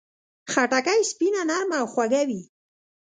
خټکی سپینه، نرمه او خوږه وي.